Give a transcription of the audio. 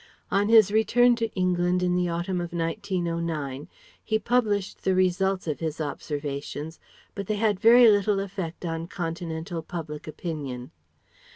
On his return to England in the autumn of 1909, he published the results of his observations; but they had very little effect on continental public opinion.